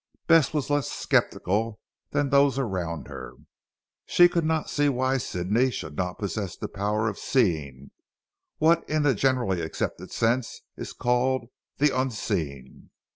Bess was less sceptical than those around her. She could' not see why Sidney should not possess the power of seeing, what in the generally accepted sense is called the unseen.